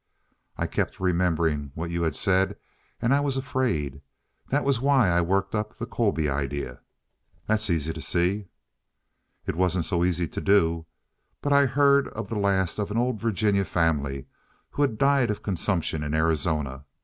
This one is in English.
I kept remembering what you had said, and I was afraid. That was why I worked up the Colby idea." "That's easy to see." "It wasn't so easy to do. But I heard of the last of an old Virginia family who had died of consumption in Arizona.